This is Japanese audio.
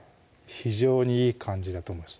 非常にいい感じだと思います